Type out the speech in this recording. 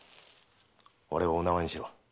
俺をお縄にしろ。